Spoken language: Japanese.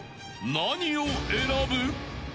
［何を選ぶ？］